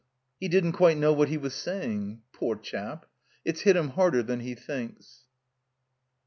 He didn't quite know what he was saying. Poor chap ! It's hit him harder than he thinks."